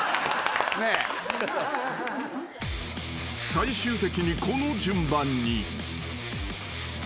［最終的にこの順番に］